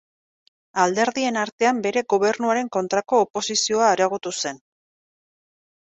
Alderdien artean bere gobernuaren kontrako oposizioa areagotu zen.